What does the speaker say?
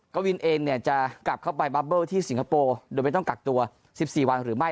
กวินเองเนี่ยจะกลับเข้าไปบับเบิ้ที่สิงคโปร์โดยไม่ต้องกักตัว๑๔วันหรือไม่